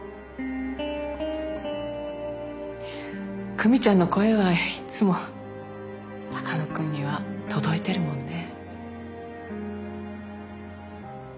久美ちゃんの声はいつも鷹野君には届いてるもんね。